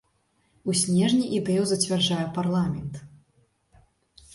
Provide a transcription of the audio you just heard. У снежні ідэю зацвярджае парламент.